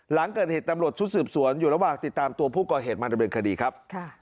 หลังเกิดเหตุตำรวจชุดสืบสวนอยู่ระหว่างติดตามตัวผู้ก่อเหตุมาดำเนินคดีครับ